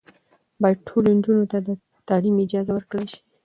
باید ټولو نجونو ته د تعلیم اجازه ورکړل شي.